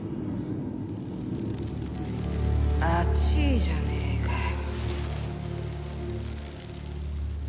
熱いじゃねえかよ